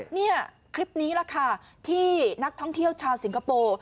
นี่คลิปนี้แหละค่ะที่นักท่องเที่ยวชาวสิงคโปร์